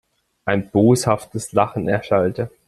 Ein boshaftes Lachen erschallte.